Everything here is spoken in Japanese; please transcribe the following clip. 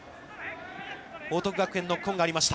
報徳学園、ノックオンがありました。